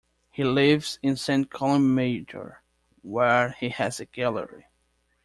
He lives in St Columb Major where he has a gallery.